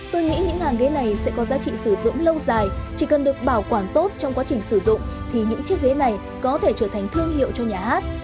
tôi nghĩ những hàng ghế này sẽ có giá trị sử dụng lâu dài chỉ cần được bảo quản tốt trong quá trình sử dụng thì những chiếc ghế này có thể trở thành thương hiệu cho nhà hát